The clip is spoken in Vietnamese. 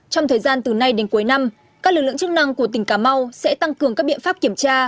trong thời gian từ nay đến cuối năm các lực lượng chức năng của tỉnh cà mau sẽ tăng cường các biện pháp kiểm tra